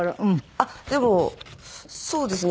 あっでもそうですね